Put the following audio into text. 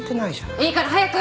いいから早く！